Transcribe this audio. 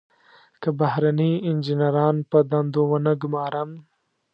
که بهرني انجنیران په دندو ونه ګمارم.